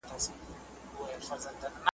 جادوګر وي غولولي یې غازیان وي .